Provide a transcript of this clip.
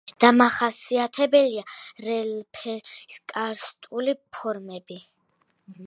დამახასიათებელია რელიეფის კარსტული ფორმები.